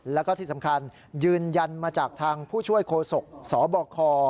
แล้วก็ที่สำคัญยืนยันมาจากทางผู้ช่วยโคศกสบค